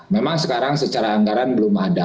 memang sekarang secara anggaran belum ada